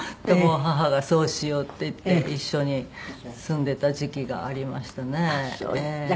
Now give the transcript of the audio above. でもう義母が「そうしよう」って言って一緒に住んでた時期がありましたね。